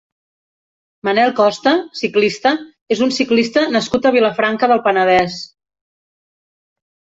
Manel Costa (ciclista) és un ciclista nascut a Vilafranca del Penedès.